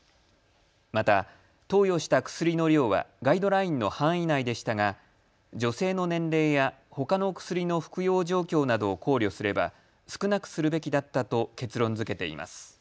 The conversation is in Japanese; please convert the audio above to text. また、投与した薬の量はガイドラインの範囲内でしたが女性の年齢やほかの薬の服用状況などを考慮すれば少なくするべきだったと結論づけています。